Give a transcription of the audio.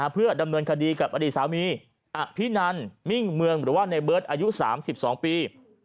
เพื่อดำเนินคดีกับอดีตสามีอภินันมิ่งเมืองหรือว่าในเบิร์ตอายุ๓๒ปี